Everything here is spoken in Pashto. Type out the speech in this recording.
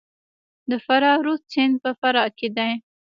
د فرا رود سیند په فراه کې دی